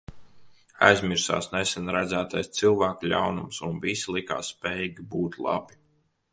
Aizmirsās nesen redzētais cilvēku ļaunums, un visi likās spējīgi būt labi.